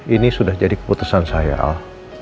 ini sudah jadi keputusan saya al